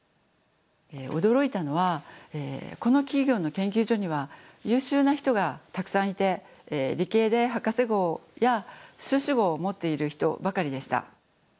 驚いたのはこの企業の研究所には優秀な人がたくさんいて理系で博士号や修士号を持っている人ばかりでした。